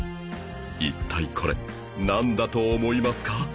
一体これなんだと思いますか？